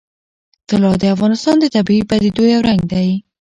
طلا د افغانستان د طبیعي پدیدو یو رنګ دی.